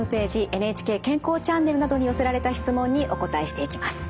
ＮＨＫ健康チャンネルなどに寄せられた質問にお答えしていきます。